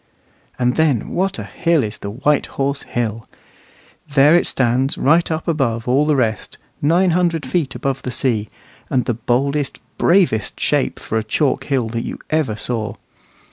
And then what a hill is the White Horse Hill! There it stands right up above all the rest, nine hundred feet above the sea, and the boldest, bravest shape for a chalk hill that you ever saw.